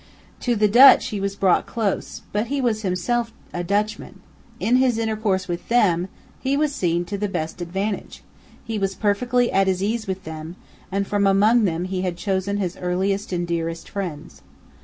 To the Dutch he was brought close: but he was himself a Dutchman. In his intercourse with them he was seen to the best advantage, he was perfectly at his ease with them; and from among them he had chosen his earliest and dearest friends.